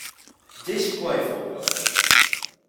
Gest quei fuva ei.